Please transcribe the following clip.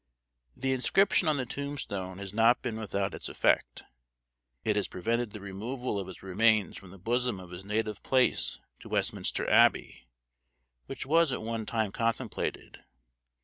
The inscription on the tombstone has not been without its effect. It has prevented the removal of his remains from the bosom of his native place to Westminster Abbey, which was at one time contemplated.